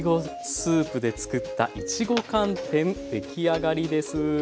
スープでつくったいちご寒天出来上がりです。